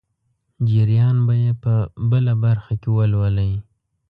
جریان به یې په بله برخه کې ولولئ.